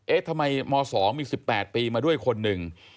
ทำไมม๒มี๑๘ปีมาด้วยคนหนึ่ง